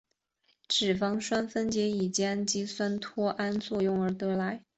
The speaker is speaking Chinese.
酮体是由脂肪酸分解以及氨基酸脱氨作用而得来。